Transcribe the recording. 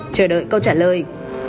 chờ đợi câu trả lời